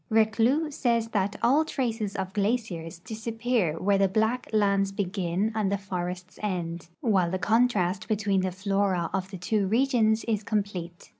Reclus sa, ys that " all traces of glaciers disappear where the black lands begin and the forests end, while the contrast between the flora of the two regions is complete."